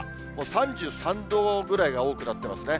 ３３度ぐらいが多くなってますね。